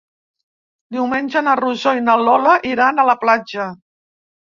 Diumenge na Rosó i na Lola iran a la platja.